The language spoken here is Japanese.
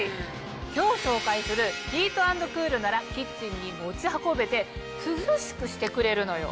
今日紹介する「ヒート＆クール」ならキッチンに持ち運べて涼しくしてくれるのよ。